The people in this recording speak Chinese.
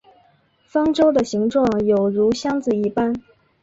方舟的形状有如箱子一般。